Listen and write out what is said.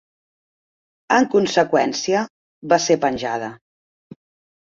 En conseqüència, va ser penjada.